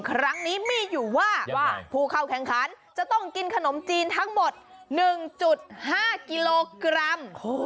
ครั้งนี้มีอยู่ว่าผู้เข้าแข่งขันจะต้องกินขนมจีนทั้งหมด๑๕กิโลกรัม